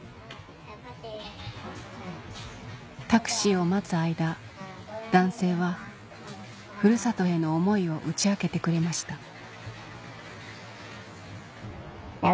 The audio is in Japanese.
タクシーを待つ間男性はふるさとへの思いを打ち明けてくれました